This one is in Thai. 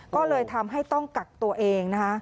ก็เลยทำให้ต้องกักตัวเองนะคะ